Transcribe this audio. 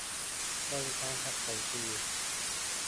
บริการจัดส่งฟรี